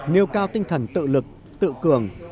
nêu cao tinh thần tự lực tự cường